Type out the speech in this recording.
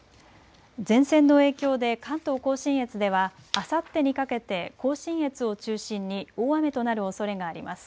前線の影響で関東甲信越ではあさってにかけて甲信越を中心に大雨となるおそれがあります。